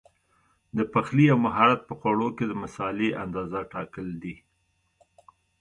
د پخلي یو مهارت په خوړو کې د مسالې اندازه ټاکل دي.